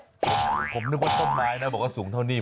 อาหัวโอ้ผมนึกว่าต้นไม้น่ะบอกว่าสูงเท่านี้